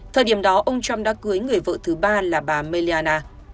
thời điểm đó ông trump đã cưới người vợ thứ ba là bà meliana